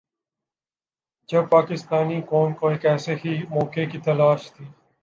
جب پاکستانی قوم کو ایک ایسے ہی موقع کی تلاش تھی۔